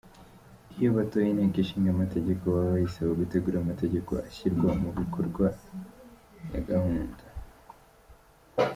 Iyo batoye Inteko ishinga amategeko baba bayisaba gutegura amategeko ashyira mu bikorwa ya gahunda.